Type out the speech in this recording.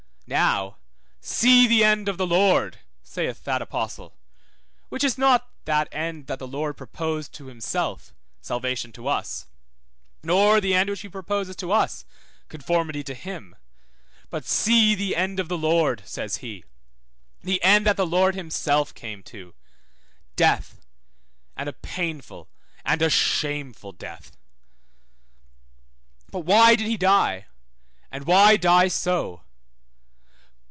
Now, see the end of the Lord, sayeth that apostle, which is not that end that the Lord proposed to himself (salvation to us), nor the end which he proposes to us (conformity to him), but see the end of the Lord, says he, the end that the Lord himself came to, death, and a painful and a shameful death. But why did he die? and why die so?